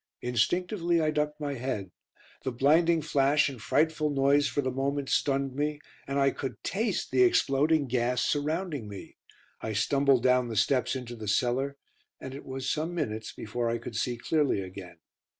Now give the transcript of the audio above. Instinctively I ducked my head. The blinding flash and frightful noise for the moment stunned me, and I could taste the exploding gas surrounding me. I stumbled down the steps into the cellar, and it was some minutes before I could see clearly again.